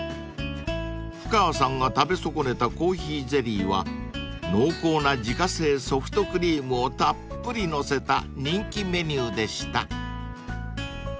［ふかわさんが食べ損ねたコーヒーゼリーは濃厚な自家製ソフトクリームをたっぷりのせた人気メニューでした］